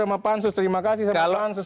sama pansus terima kasih sama pansus